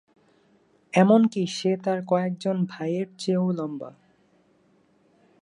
এমনকি সে তার কয়েকজন ভাইয়ের চেয়েও লম্বা।